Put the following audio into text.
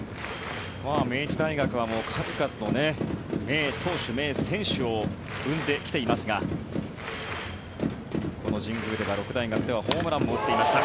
明治大学は数々の名投手名選手を生んできていますがこの神宮では六大学ではホームランも打っていました。